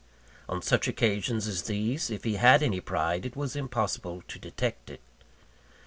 On such occasions as these, if he had any pride, it was impossible to detect it.